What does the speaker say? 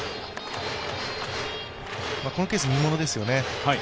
このケース、見ものですよね。